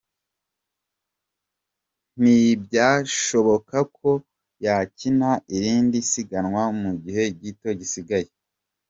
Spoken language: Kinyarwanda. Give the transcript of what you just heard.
Ntibyashoboka ko yakina irindi siganwa mu gihe gito gisigaye .